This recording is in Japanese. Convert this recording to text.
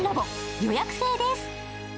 予約制です。